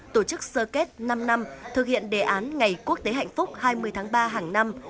tổ chức sơ kết năm năm thực hiện đề án ngày quốc tế hạnh phúc hai mươi tháng ba hàng năm